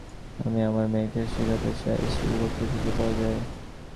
আমি আমার মেয়েকে শেখাতে চাই সিল কোথায় খুঁজে পাওয়া যায়।